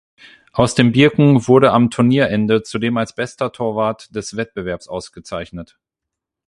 Aus den Birken wurde am Turnierende zudem als bester Torwart des Wettbewerbs ausgezeichnet.